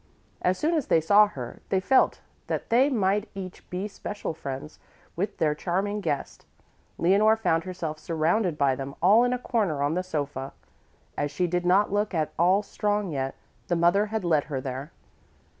As soon as they saw her, they felt that they might each be special friends with their charming guest. Leonore found herself surrounded by them all in a corner of the sofa. As she did not look at all strong yet, the mother had led her there.